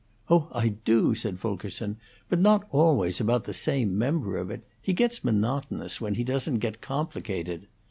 "Oh, I do!" said Fulkerson. "But not always about the same member of it. He gets monotonous, when he doesn't get complicated.